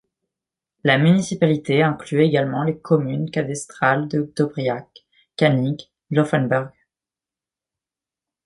La municipalité inclut également les communes cadastrales de Döbriach, Kaning, Laufenberg, St.